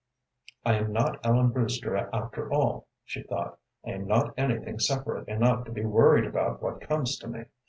"I am not Ellen Brewster after all," she thought. "I am not anything separate enough to be worried about what comes to me.